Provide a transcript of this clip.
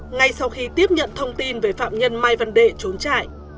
ngay sau khi tiếp nhận thông tin về phạm nhân mai văn đệ trốn trại